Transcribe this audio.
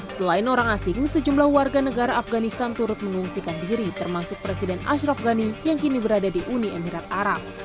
selain orang asing sejumlah warga negara afganistan turut mengungsikan diri termasuk presiden ashraf ghani yang kini berada di uni emirat arab